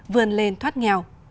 vườn lên thoát nghèo